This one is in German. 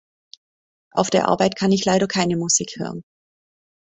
Auf der Arbeit kann ich leider keine Musik hören.